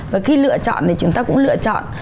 và khi lựa chọn thì chúng ta cũng lựa chọn